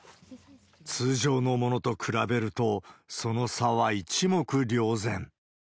通常のものと比べると、その差は一目瞭然。